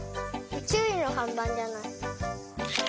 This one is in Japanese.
ちゅういのかんばんじゃない？